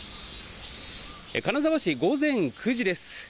金沢市、午前９時です。